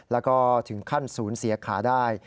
แล้วก็ถึงขั้นศูนย์เสียขาได้